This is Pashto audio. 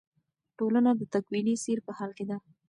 ټولنه د تکویني سیر په حال کې ده.